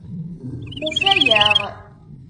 Ufayeɣ.